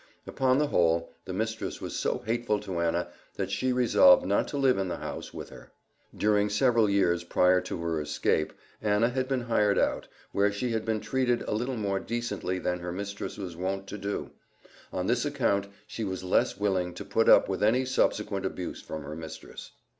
Upon the whole, the mistress was so hateful to Anna, that she resolved not to live in the house with her. During several years prior to her escape, Anna had been hired out, where she had been treated a little more decently than her mistress was wont to do; on this account she was less willing to put up with any subsequent abuse from her mistress.